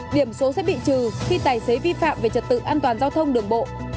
điểm số sẽ bị trừ khi tài xế vi phạm về trật tự an toàn giao thông đường bộ